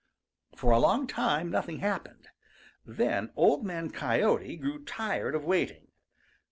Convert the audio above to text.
For a long time nothing happened. Then Old Man Coyote grew tired of waiting.